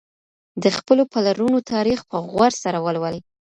د خپلو پلرونو تاريخ په غور سره ولولئ.